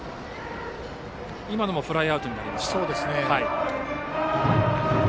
今のもフライアウトになりました。